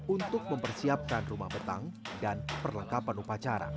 untuk mempersiapkan rumah betang dan perlengkapan upacara